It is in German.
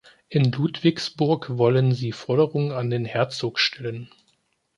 In Ludwigsburg wollen sie Forderungen an den Herzog stellen.